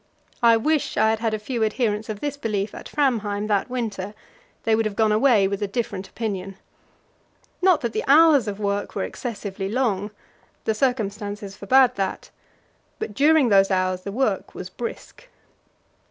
I wish I had had a few adherents of this belief at Framheim that winter; they would have gone away with a different opinion. Not that the hours of work were excessively long, the circumstances forbade that. But during those hours the work was brisk.